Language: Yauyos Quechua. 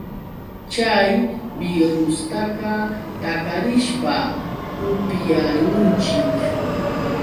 Chay birrustaqa takarishpa upyarunchik.